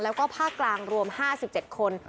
แล้วก็ภาคกลางรวมห้าสิบเจ็ดคน